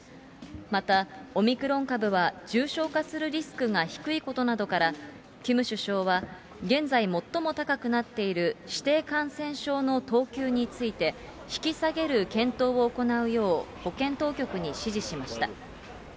また、オミクロン株は重症化するリスクが低いことなどから、キム首相は、現在、最も高くなっている指定感染症の等級について、引き下げる検討を行うよう保健当局に指示しました。